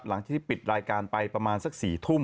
ที่ปิดรายการไปประมาณสัก๔ทุ่ม